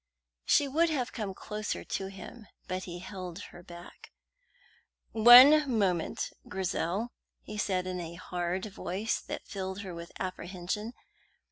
She would have come closer to him, but he held her back. "One moment, Grizel," he said in a hard voice that filled her with apprehension.